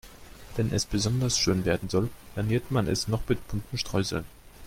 Wenn es besonders schön werden soll, garniert man es noch mit bunten Streuseln.